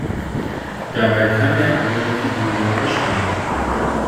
Dabei kann er andere Figuren überspringen.